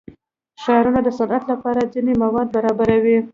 ښارونه د صنعت لپاره ځینې مواد برابروي.